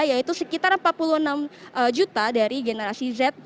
yaitu sekitar empat puluh enam juta dari generasi z